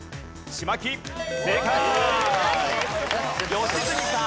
良純さん。